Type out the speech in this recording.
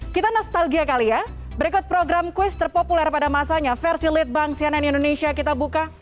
kita nostalgia kali ya berikut program kuis terpopuler pada masanya versi lead bank cnn indonesia kita buka